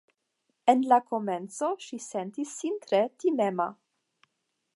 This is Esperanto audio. En la komenco ŝi sentis sin tre timema.